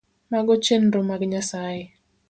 Mago chenro mag Nyasaye